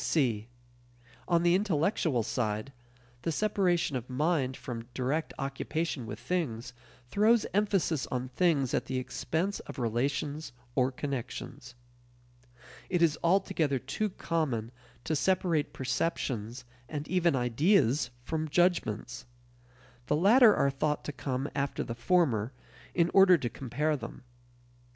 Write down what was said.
(c) On the intellectual side, the separation of "mind" from direct occupation with things throws emphasis on things at the expense of relations or connections. It is altogether too common to separate perceptions and even ideas from judgments. The latter are thought to come after the former in order to compare them.